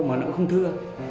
mà nó không thưa